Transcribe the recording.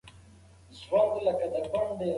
د اللهﷻ په فیصله راضي اوسئ.